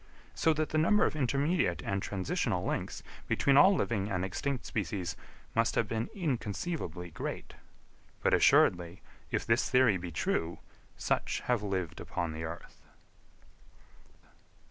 So that the number of intermediate and transitional links, between all living and extinct species, must have been inconceivably great. But assuredly, if this theory be true, such have lived upon the earth.